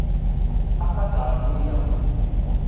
Aqader n wiyaḍ.